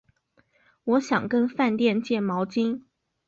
我想跟饭店借毛巾